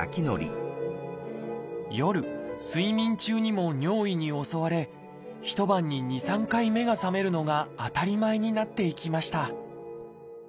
夜睡眠中にも尿意に襲われ一晩に２３回目が覚めるのが当たり前になっていきました。